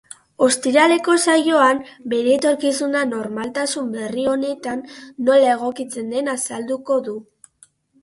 Ostiraleko saioan, bere etorkizuna normaltasun berri honetan nola egokitzen den azalduko du.